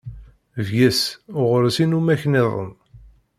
Bges, ɣur-s inumak-nniḍen.